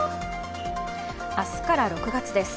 明日から６月です。